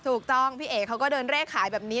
ถูกต้องพี่เอกเขาก็เดินเรศขายแบบนี้